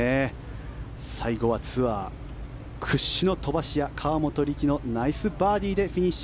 最後はツアー屈指の飛ばし屋河本力のナイスバーディーでフィニッシュ。